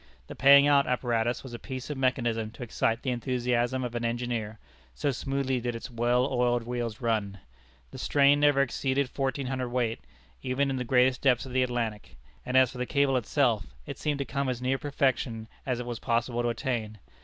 The paying out apparatus was a piece of mechanism to excite the enthusiasm of an engineer, so smoothly did its well oiled wheels run. The strain never exceeded fourteen hundred weight, even in the greatest depths of the Atlantic. And as for the cable itself, it seemed to come as near perfection as it was possible to attain.